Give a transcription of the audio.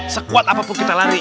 sekuat apapun kita lari